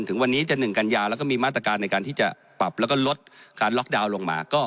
ถึงวันนี้จะ๑กันยาแล้วก็มีมาตรการในการที่จะปรับแล้วก็ลดการล็อกดาวน์ลงมา